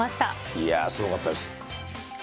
いやー、すごかったです。